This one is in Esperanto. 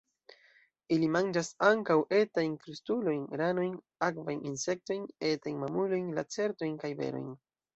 Ili manĝas ankaŭ etajn krustulojn, ranojn, akvajn insektojn, etajn mamulojn, lacertojn kaj berojn.